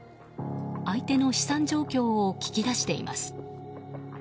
相手の資産状況を聞き出しています。